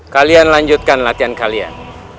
kalian lanjutkan latihan kalian